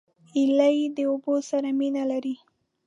هیلۍ د اوبو سره مینه لري